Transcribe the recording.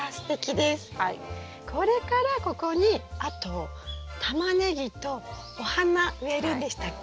これからここにあとタマネギとお花植えるんでしたっけ？